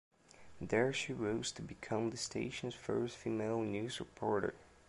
There she rose to become the station's first female news reporter.